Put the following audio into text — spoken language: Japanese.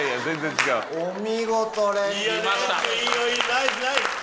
ナイスナイス！